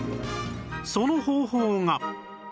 その方法が